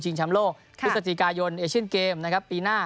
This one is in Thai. จิงชำโลกพิสัจิกายนเอเชียนเกมส์ปีหน้า